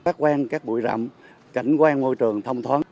phát quang các bụi rậm cảnh quan môi trường thông thoáng